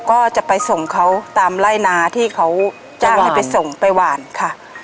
ก็จะไปส่งเขาตามไล่นาที่เขาจ้างให้ไปส่งไปหวานค่ะ